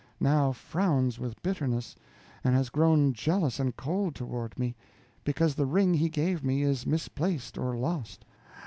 now frowns with bitterness, and has grown jealous and cold toward me, because the ring he gave me is misplaced or lost.